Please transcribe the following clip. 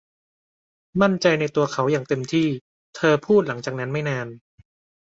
มั่นใจในตัวเขาอย่างเต็มที่ เธอพูดหลังจากนั้นไม่นาน.